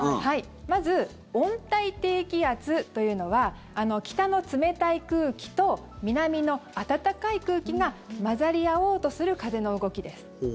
まず、温帯低気圧というのは北の冷たい空気と南の暖かい空気が混ざり合おうとする風の動きです。